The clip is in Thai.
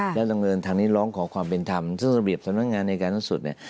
ค่ะแล้วดังนึงทางนี้ร้องขอความเป็นธรรมซึ่งสะเบียบสำนักงานอาจารย์ทั้งสุดเนี่ย